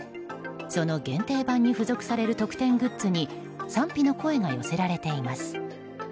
その限定版に付属される特典グッズに賛否の声が寄せられています。